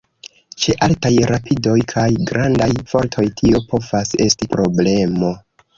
Ĉe altaj rapidoj kaj grandaj fortoj tio povas esti problemo.